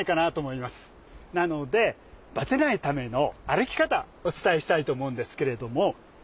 なのでバテないための歩き方お伝えしたいと思うんですけれども。